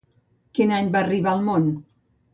Quin any va arribar al món?